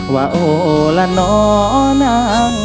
ว่าโอละนอน้ำเอ่ย